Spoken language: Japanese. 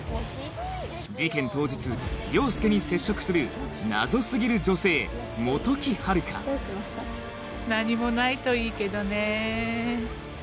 事件当日凌介に接触する謎過ぎる女性本木陽香何もないといいけどね。ねぇ？